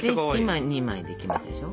今２枚できましたでしょ。